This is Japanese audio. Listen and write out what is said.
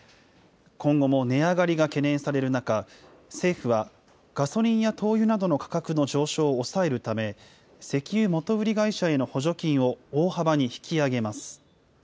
今後も値上がりが懸念される中、政府は、ガソリンや灯油などの価格の上昇を抑えるため、石油元売り会社への補助金を大幅に引き上げます。